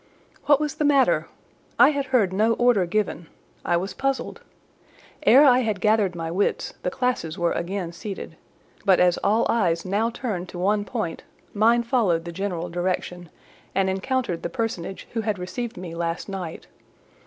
What was the matter? I had heard no order given: I was puzzled. Ere I had gathered my wits, the classes were again seated: but as all eyes were now turned to one point, mine followed the general direction, and encountered the personage who had received me last night.